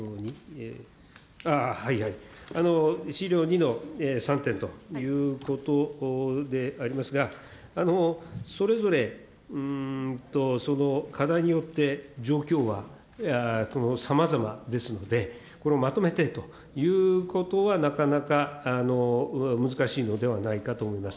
資料２の３点ということでありますが、それぞれ課題によって状況はさまざまですので、これをまとめてということは、なかなか難しいのではないかと思います。